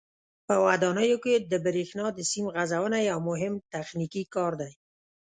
په ودانیو کې د برېښنا د سیم غځونه یو مهم تخنیکي کار دی.